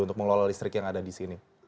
untuk mengelola listrik yang ada di sini